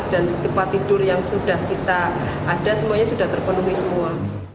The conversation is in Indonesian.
dan tempat tidur yang sudah kita ada semuanya sudah terpenuhi semua